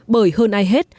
bởi hơn ai hết